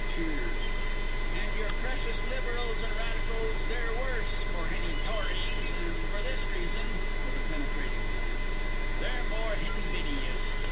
(Cheers). And your precious Liberals and Radicals, they're worse nor hany Tories, and for this reason (with a penetrating glance) they're more hinvidious!